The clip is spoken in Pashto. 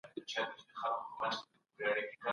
هغوی د علم لپاره ډېر زحمت ويستلی دی.